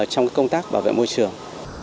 trong công tác bảo vệ môi trường